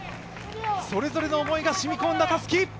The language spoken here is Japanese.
それぞれの思いが染み込んだたすき！